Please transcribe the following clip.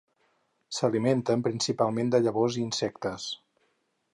S'alimenten principalment de llavors i insectes.